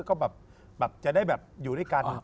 ก็แบบจะได้แบบอยู่ด้วยกัน